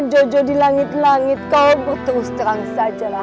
jodoh di langit langit kau berterus terang saja